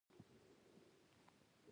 دغه واک د یوې نیابتي معاملې بڼه غوره کړې.